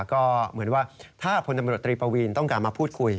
ก็เหมือนว่าถ้าพลตำรวจตรีปวีนต้องการมาพูดคุย